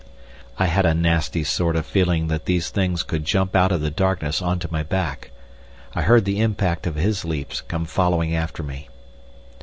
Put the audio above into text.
I had a nasty sort of feeling that these things could jump out of the darkness on to my back. I heard the impact of his leaps come following after me.